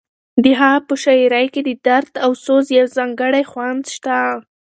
د هغه په شاعرۍ کې د درد او سوز یو ځانګړی خوند شته.